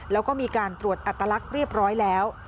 แล้วก็มีการตรวจอัตลักษณ์เรียบร้อยแล้ว